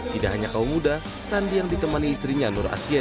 tidak hanya kaum muda sandi yang ditemani istrinya nur asia